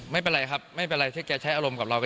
ไม่เป็นไรครับไม่เป็นไรที่แกใช้อารมณ์กับเรา